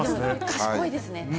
賢いですね。